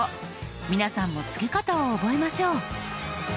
皆さんもつけ方を覚えましょう。